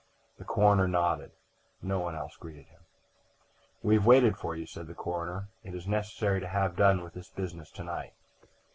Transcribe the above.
The coroner nodded; no one else greeted him. "We have waited for you," said the coroner. "It is necessary to have done with this business to night."